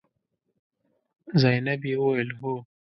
زينبې وويل: هو.